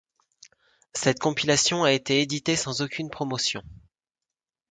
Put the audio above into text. Cette compilation a été éditée sans aucune promotion.